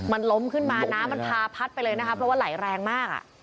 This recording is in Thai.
มันล้มขึ้นมาน้ำมันพาพัดไปเลยนะคะเพราะว่าไหลแรงมากอ่ะ